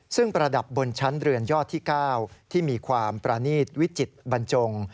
ซึ่งประดับบนชั้นเรือนยอดที่๙ที่มีความประนีตวิจิตบรรจง